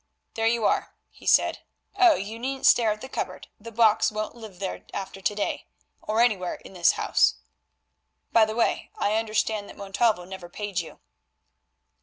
"There you are," he said; "oh, you needn't stare at the cupboard; the box won't live there after to day, or anywhere in this house. By the way, I understand that Montalvo never paid you."